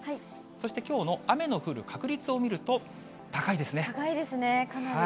そしてきょうの雨の降る確率を見高いですね、かなり。